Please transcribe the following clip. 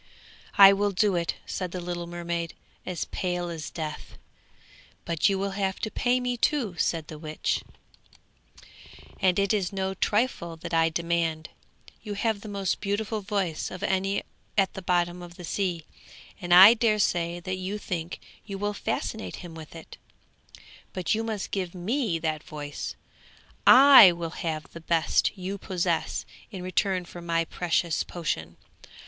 'I will do it,' said the little mermaid as pale as death. 'But you will have to pay me, too,' said the witch, 'and it is no trifle that I demand. You have the most beautiful voice of any at the bottom of the sea, and I daresay that you think you will fascinate him with it; but you must give me that voice; I will have the best you possess in return for my precious potion!